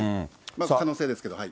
まだ可能性ですけど。